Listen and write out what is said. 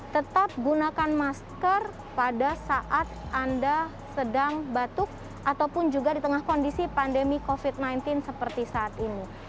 tetap gunakan masker pada saat anda sedang batuk ataupun juga di tengah kondisi pandemi covid sembilan belas seperti saat ini